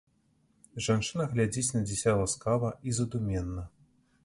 Жанчына глядзіць на дзіця ласкава і задуменна.